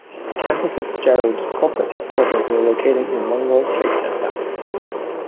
Cantor Fitzgerald's corporate headquarters were located in One World Trade Center.